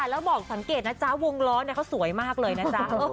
แล้วบอกสังเกตนะจ๊ะวงล้อเขาสวยมากเลยนะจ๊ะ